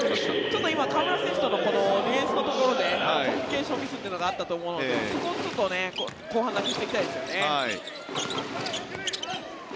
ちょっと今、河村選手とディフェンスのところでコミュニケーションミスがあったと思うのでそこをちょっと後半はなくしていきたいですよね。